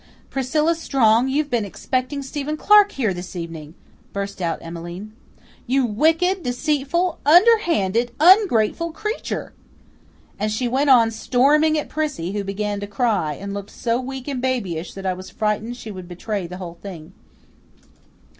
"Priscilla Strong, you've been expecting Stephen Clark here this evening!" burst out Emmeline. "You wicked, deceitful, underhanded, ungrateful creature!" And she went on storming at Prissy, who began to cry, and looked so weak and babyish that I was frightened she would betray the whole thing.